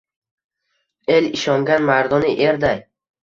El ishongan mardona erday.